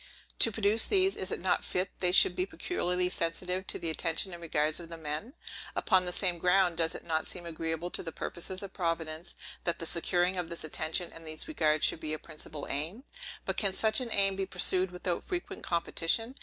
To produce these, is it not fit they should be peculiarly sensible to the attention and regards of the men? Upon the same ground, does it not seem agreeable to the purposes of Providence, that the securing of this attention, and these regards, should be a principal aim? But can such an aim be pursued without frequent competition?